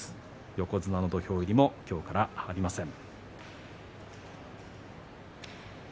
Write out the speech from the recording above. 横綱の土俵入りも今日からありません。